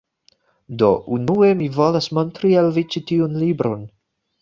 Do, unue mi volas montri al vi ĉi tiun libron